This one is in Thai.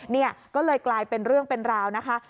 เนี่ยก็เลยกลายเป็นเรื่องเป็นราวนะคะ